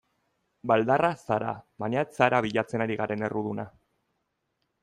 Baldarra zara baina ez zara bilatzen ari garen erruduna.